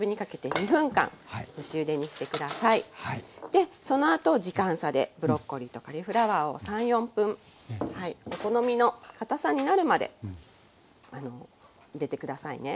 でそのあと時間差でブロッコリーとカリフラワーを３４分お好みのかたさになるまでゆでて下さいね。